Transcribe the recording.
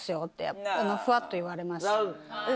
ふわっと言われました。